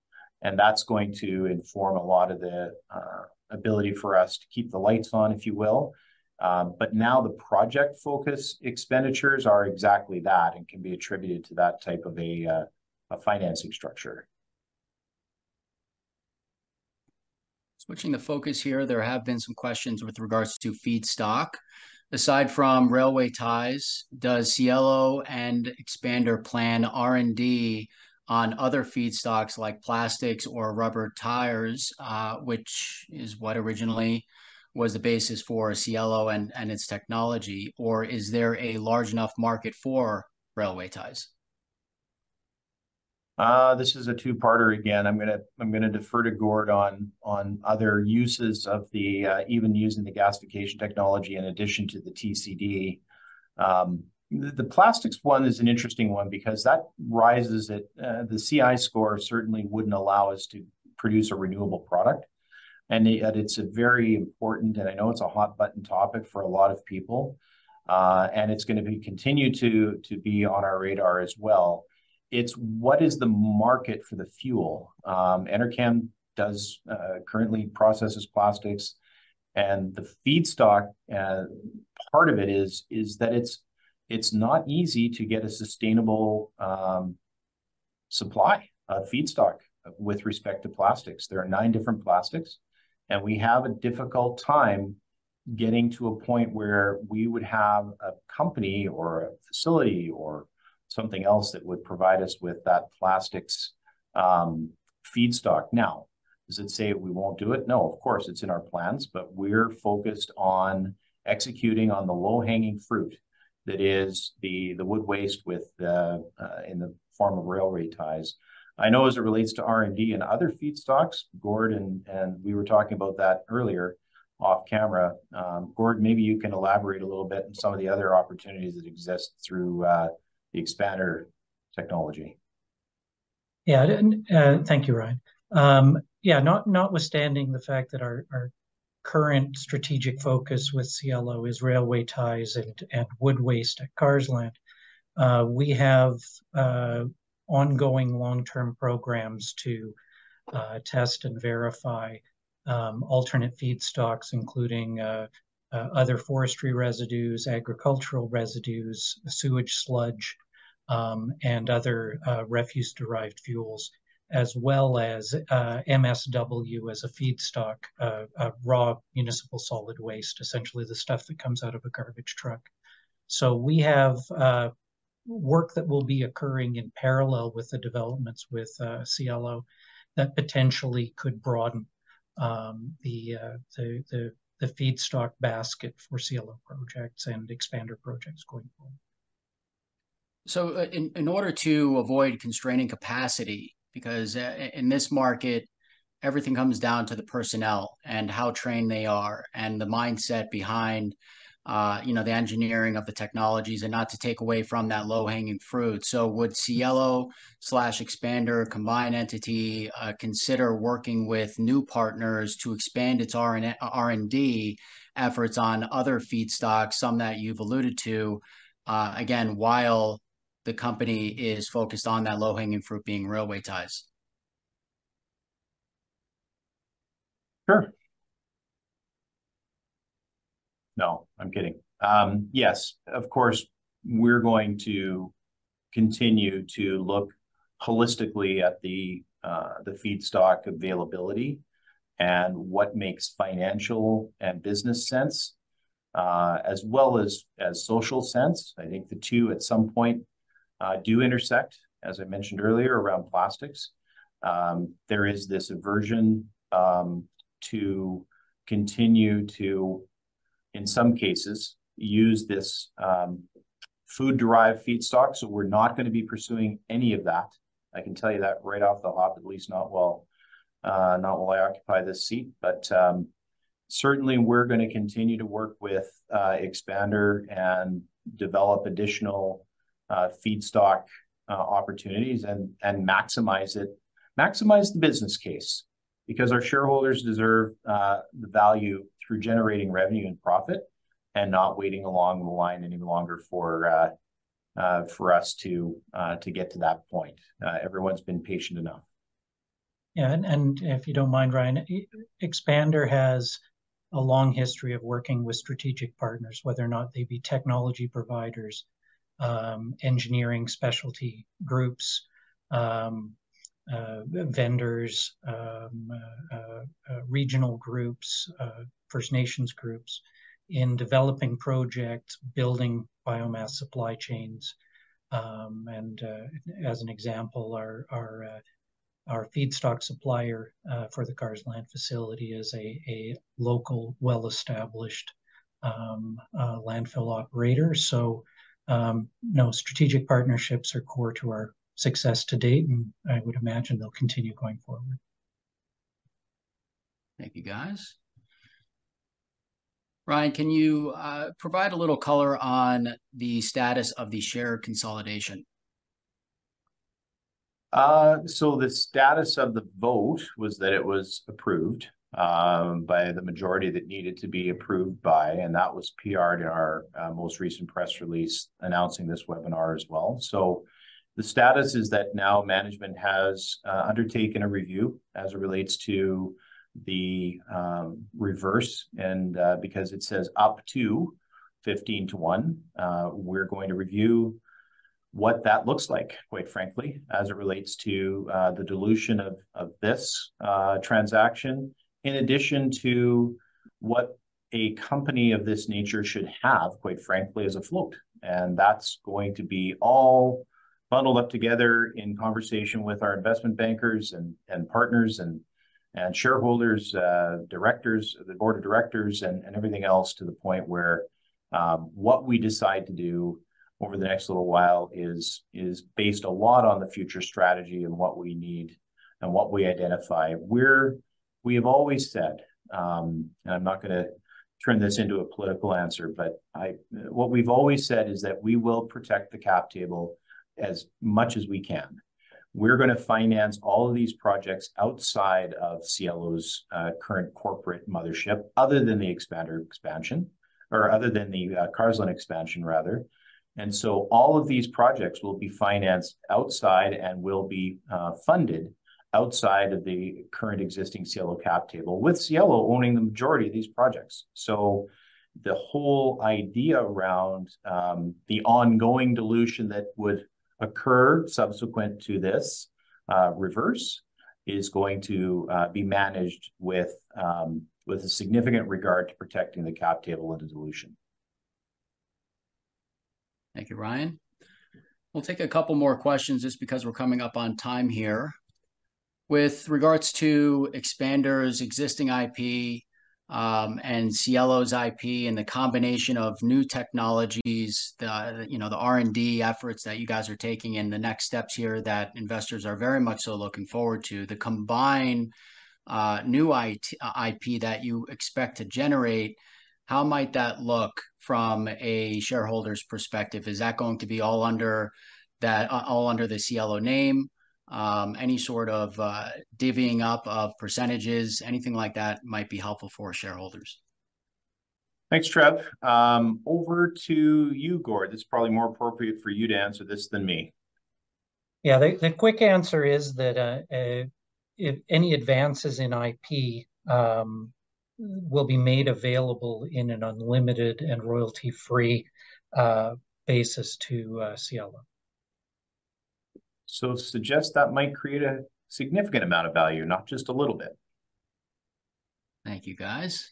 And that's going to inform a lot of the ability for us to keep the lights on, if you will. But now the project focus expenditures are exactly that and can be attributed to that type of a financing structure. Switching the focus here, there have been some questions with regards to feedstock. Aside from railway ties, does Cielo and Expander plan R&D on other feedstocks, like plastics or rubber tires? Which is what originally was the basis for Cielo and its technology, or is there a large enough market for railway ties? This is a two-parter. Again, I'm gonna defer to Gord on other uses of the even using the gasification technology in addition to the TCD. The plastics one is an interesting one because that rises at the CI score certainly wouldn't allow us to produce a renewable product, and it's a very important, and I know it's a hot-button topic for a lot of people. And it's gonna continue to be on our radar as well. It's what is the market for the fuel? Enerkem currently processes plastics, and the feedstock part of it is that it's not easy to get a sustainable supply feedstock with respect to plastics. There are nine different plastics, and we have a difficult time getting to a point where we would have a company or a facility or something else that would provide us with that plastics feedstock. Now, does it say we won't do it? No, of course, it's in our plans, but we're focused on executing on the low-hanging fruit, that is, the wood waste with the in the form of railway ties. I know as it relates to R&D and other feedstocks, Gord and we were talking about that earlier off camera. Gord, maybe you can elaborate a little bit on some of the other opportunities that exist through the Expander technology. Yeah, and thank you, Ryan. Yeah, notwithstanding the fact that our current strategic focus with Cielo is railway ties and wood waste at Carseland, we have ongoing long-term programs to test and verify alternate feedstocks, including other forestry residues, agricultural residues, sewage sludge, and other refuse-derived fuels, as well as MSW as a feedstock, raw municipal solid waste, essentially the stuff that comes out of a garbage truck. So we have work that will be occurring in parallel with the developments with Cielo, that potentially could broaden the feedstock basket for Cielo projects and Expander projects going forward. So, in order to avoid constraining capacity, because in this market, everything comes down to the personnel and how trained they are, and the mindset behind, you know, the engineering of the technologies, and not to take away from that low-hanging fruit. So would Cielo/Expander combined entity, consider working with new partners to expand its R&D efforts on other feedstocks, some that you've alluded to, again, while the company is focused on that low-hanging fruit being railway ties? Sure. No, I'm kidding. Yes, of course, we're going to continue to look holistically at the, the feedstock availability and what makes financial and business sense, as well as, as social sense. I think the two, at some point, do intersect, as I mentioned earlier, around plastics. There is this aversion, to continue to, in some cases, use this, food-derived feedstock, so we're not gonna be pursuing any of that. I can tell you that right off the hop, at least not while, not while I occupy this seat. But, certainly we're gonna continue to work with, Expander and develop additional, feedstock, opportunities and, and maximize it. Maximize the business case, because our shareholders deserve the value through generating revenue and profit, and not waiting along the line any longer for us to get to that point. Everyone's been patient enough. Yeah, and if you don't mind, Ryan, Expander has a long history of working with strategic partners, whether or not they be technology providers, engineering specialty groups, vendors, regional groups, First Nations groups, in developing projects, building biomass supply chains. And as an example, our feedstock supplier for the Carseland facility is a local, well-established, landfill operator. So, you know, strategic partnerships are core to our success to date, and I would imagine they'll continue going forward. Thank you, guys. Ryan, can you provide a little color on the status of the share consolidation? So the status of the vote was that it was approved by the majority that needed to be approved by, and that was PR'd in our most recent press release announcing this webinar as well. So the status is that now management has undertaken a review as it relates to the reverse. And because it says up to 15-to-1, we're going to review what that looks like, quite frankly, as it relates to the dilution of this transaction, in addition to what a company of this nature should have, quite frankly, as a float. And that's going to be all bundled up together in conversation with our investment bankers, and partners, and shareholders, directors, the board of directors, and everything else, to the point where what we decide to do over the next little while is based a lot on the future strategy and what we need, and what we identify. We have always said, and I'm not gonna turn this into a political answer, but what we've always said is that we will protect the cap table as much as we can. We're gonna finance all of these projects outside of Cielo's current corporate mothership, other than the Expander Expansion, or other than the Carseland Expansion, rather. And so all of these projects will be financed outside, and will be funded outside of the current existing Cielo cap table, with Cielo owning the majority of these projects. So the whole idea around the ongoing dilution that would occur subsequent to this reverse is going to be managed with a significant regard to protecting the cap table and the dilution. Thank you, Ryan. We'll take a couple more questions, just because we're coming up on time here. With regards to Expander's existing IP, and Cielo's IP, and the combination of new technologies, the, you know, the R&D efforts that you guys are taking, and the next steps here that investors are very much so looking forward to, the combined, new IP that you expect to generate, how might that look from a shareholder's perspective? Is that going to be all under that, all under the Cielo name? Any sort of, divvying up of percentages, anything like that, might be helpful for shareholders. Thanks, Trev. Over to you, Gord. This is probably more appropriate for you to answer this than me. Yeah, the quick answer is that if any advances in IP will be made available in an unlimited and royalty-free basis to Cielo. So suggest that might create a significant amount of value, not just a little bit. Thank you, guys.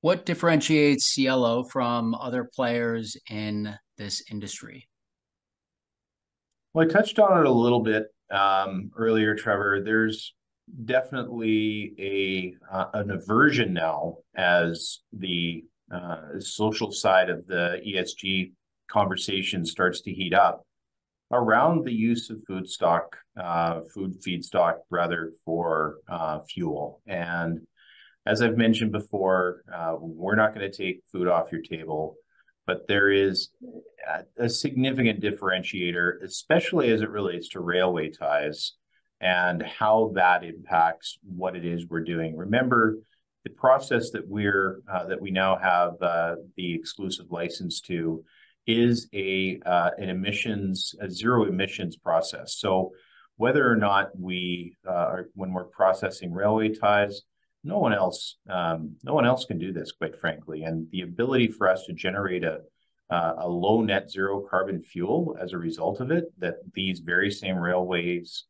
What differentiates Cielo from other players in this industry? Well, I touched on it a little bit, earlier, Trevor. There's definitely an aversion now as the social side of the ESG conversation starts to heat up around the use of food stock, food feedstock rather, for fuel. And as I've mentioned before, we're not gonna take food off your table, but there is a significant differentiator, especially as it relates to railway ties and how that impacts what it is we're doing. Remember, the process that we now have, the exclusive license to, is a zero emissions process. So whether or not we... When we're processing railway ties, no one else, no one else can do this, quite frankly. And the ability for us to generate a low net zero carbon fuel as a result of it, that these very same railways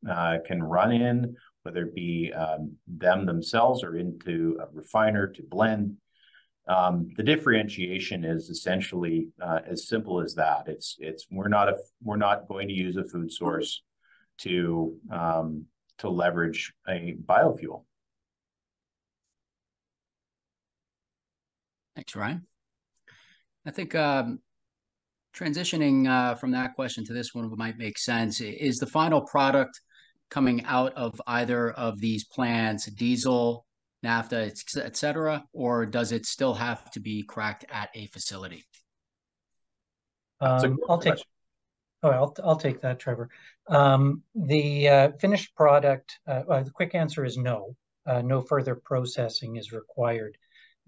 can run in, whether it be them themselves or into a refiner to blend, the differentiation is essentially as simple as that. It's we're not going to use a food source to leverage a biofuel. Thanks, Ryan. I think, transitioning, from that question to this one might make sense. Is the final product coming out of either of these plants diesel, naphtha, et cetera, or does it still have to be cracked at a facility? That's a good question. I'll take that, Trevor. The finished product, well, the quick answer is no. No further processing is required.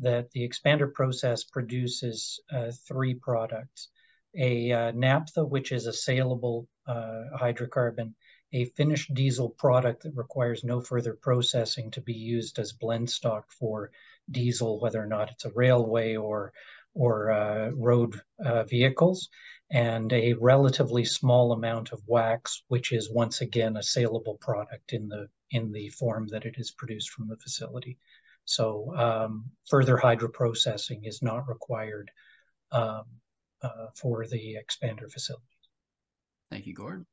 That the Expander process produces three products: a naphtha, which is a saleable hydrocarbon; a finished diesel product that requires no further processing to be used as blend stock for diesel, whether or not it's a railway or road vehicles; and a relatively small amount of wax, which is once again, a saleable product in the form that it is produced from the facility. Further hydroprocessing is not required for the Expander facilities. Thank you,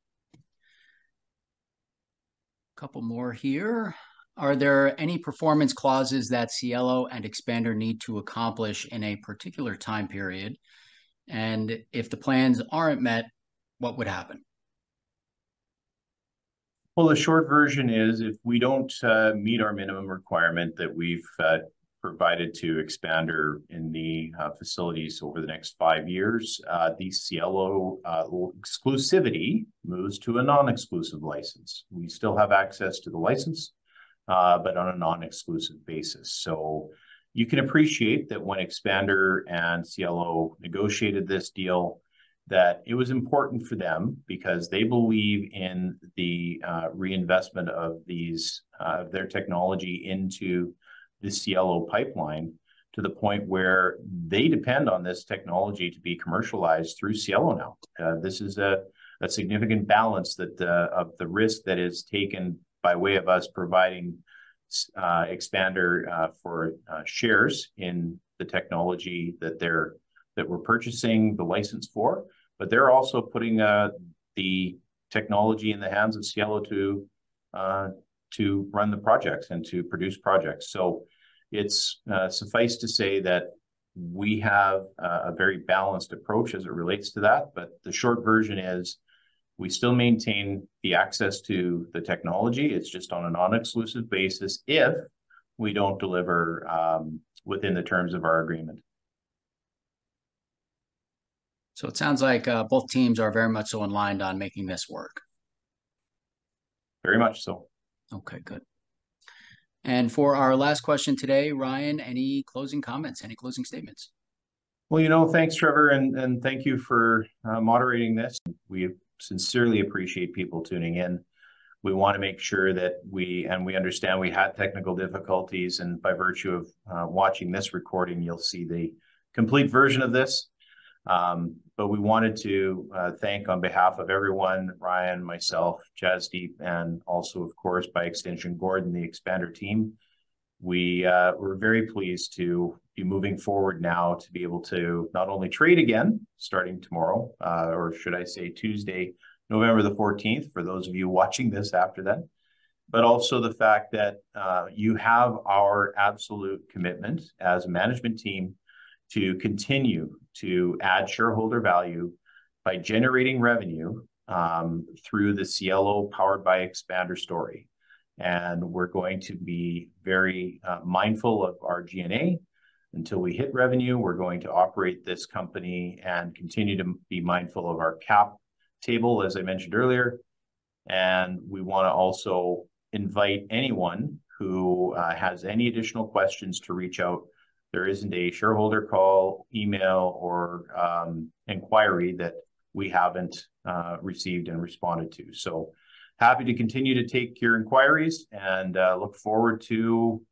Gord. Couple more here: Are there any performance clauses that Cielo and Expander need to accomplish in a particular time period? And if the plans aren't met, what would happen? Well, the short version is, if we don't meet our minimum requirement that we've provided to Expander in the facilities over the next five years, the Cielo exclusivity moves to a non-exclusive license. We still have access to the license, but on a non-exclusive basis. So you can appreciate that when Expander and Cielo negotiated this deal, that it was important for them because they believe in the reinvestment of these their technology into the Cielo pipeline, to the point where they depend on this technology to be commercialized through Cielo now. This is a significant balance that of the risk that is taken by way of us providing S- Expander for shares in the technology that they're- that we're purchasing the license for. But they're also putting the technology in the hands of Cielo to run the projects and to produce projects. So it's suffice to say that we have a very balanced approach as it relates to that, but the short version is we still maintain the access to the technology. It's just on a non-exclusive basis if we don't deliver within the terms of our agreement. So it sounds like both teams are very much so aligned on making this work. Very much so. Okay, good. And for our last question today, Ryan, any closing comments? Any closing statements? Well, you know, thanks, Trevor, and thank you for moderating this. We sincerely appreciate people tuning in. We wanna make sure that we... And we understand we had technical difficulties, and by virtue of watching this recording, you'll see the complete version of this. But we wanted to thank on behalf of everyone, Ryan, myself, Jasdeep, and also, of course, by extension, Gord and the Expander team. We're very pleased to be moving forward now to be able to not only trade again, starting tomorrow, or should I say Tuesday, November the 14th, for those of you watching this after then. But also the fact that you have our absolute commitment as a management team to continue to add shareholder value by generating revenue through the Cielo powered by Expander story. We're going to be very mindful of our G&A. Until we hit revenue, we're going to operate this company and continue to be mindful of our cap table, as I mentioned earlier. We wanna also invite anyone who has any additional questions to reach out. There isn't a shareholder call, email, or inquiry that we haven't received and responded to. So happy to continue to take your inquiries, and look forward to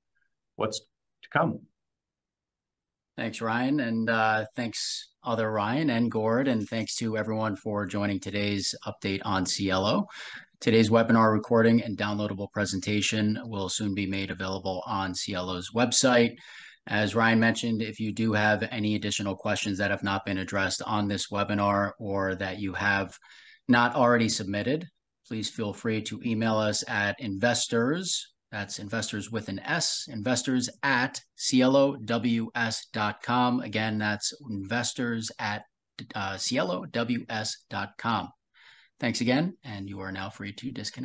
what's to come. Thanks, Ryan, and, thanks other Ryan and Gord, and thanks to everyone for joining today's update on Cielo. Today's webinar recording and downloadable presentation will soon be made available on Cielo's website. As Ryan mentioned, if you do have any additional questions that have not been addressed on this webinar or that you have not already submitted, please feel free to email us at investors, that's investors with an S, investors@cielows.com. Again, that's investors@cielows.com. Thanks again, and you are now free to disconnect.